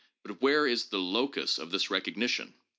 But where is the locus of this recogni tion?